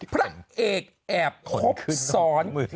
พระเอกแอบครบซ้อน